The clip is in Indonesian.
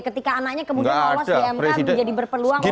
ketika anaknya kemudian lolos di mk menjadi berpeluang